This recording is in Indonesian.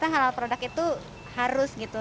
halal produk itu harus gitu